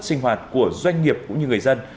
sinh hoạt của doanh nghiệp cũng như người dân